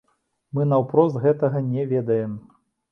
Мы наўпрост гэтага не ведаем.